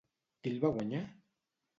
Qui el va guanyar?